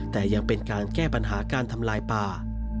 แต่ยังเป็นการแก้ปัญหาการทำลายป่า